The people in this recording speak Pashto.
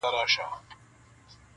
چي شېبه مخکي په ښکر وو نازېدلی -